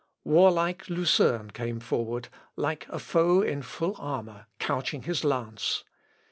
Warlike Lucerne came forward, like a foe in full armour couching his lance.